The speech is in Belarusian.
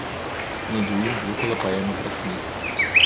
Недзе ў ім блукала паэма пра сны.